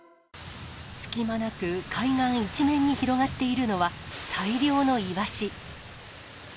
隙間なく海岸一面に広がっているのは、大量のイワシ。